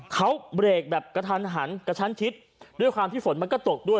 เขาเบรกแบบกระทันหันกระชั้นชิดด้วยความที่ฝนมันก็ตกด้วย